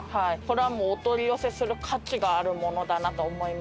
これはもうお取り寄せする価値があるものだなと思いますね。